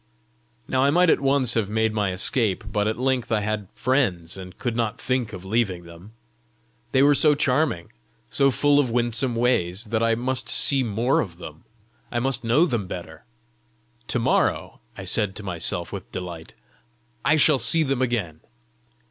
Now I might at once have made my escape; but at length I had friends, and could not think of leaving them. They were so charming, so full of winsome ways, that I must see more of them! I must know them better! "To morrow," I said to myself with delight, "I shall see them again!"